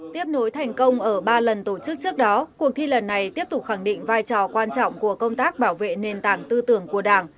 tiếp nối thành công ở ba lần tổ chức trước đó cuộc thi lần này tiếp tục khẳng định vai trò quan trọng của công tác bảo vệ nền tảng tư tưởng của đảng